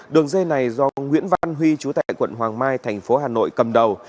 đường dây này do nguyễn văn huy chú tại quận hoàng mai tp hà nội cầm đầu